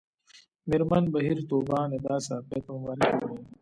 مېرمن بهیر طوبا ندا ساپۍ ته مبارکي وايي